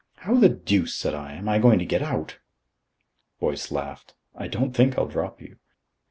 "How the deuce," said I, "am I going to get out?" Boyce laughed. "I don't think I'll drop you."